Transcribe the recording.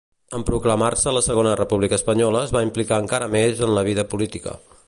En proclamar-se la Segona República Espanyola es va implicar encara més en la vida política.